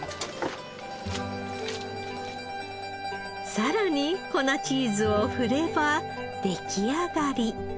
さらに粉チーズを振れば出来上がり。